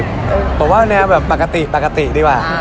ฝผงว่าแบบแบบปกติดดีกว่า